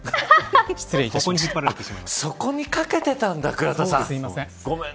そこにかけてたんだ倉田さん。